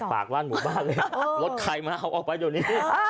หากปากร่านหมู่บ้านเลยรถใครมาเอาออกไปตรงนี้